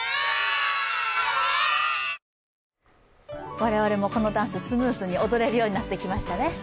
我々もこのダンス、スムースに踊れるようになってきましたね。